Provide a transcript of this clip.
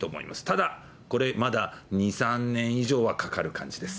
ただこれ、まだ２、３年以上はかかる感じです。